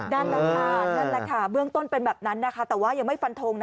ดั่นแหละค่ะเบื้องต้นเป็นแบบนั้นแต่ว่ายังไม่ฟันทงนะ